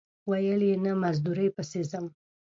ویل یې نه مزدورۍ پسې ځم.